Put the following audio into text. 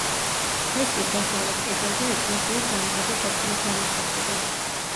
ფრესკის დასავლეთ კედელზე ეკლესიის ამგები ყოფილა გამოსახული.